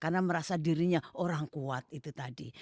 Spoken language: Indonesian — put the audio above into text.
karena merasa dirinya orang kuat itu tadi